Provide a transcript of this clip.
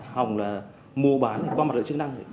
hồng là mua bán qua mặt lượng chức năng